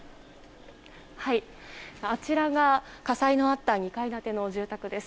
あちらが火災のあった２階建ての住宅です。